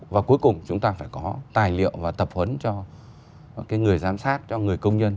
và cuối cùng chúng ta phải có tài liệu và tập huấn cho người giám sát cho người công nhân